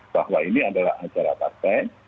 bahwa ini adalah acara partai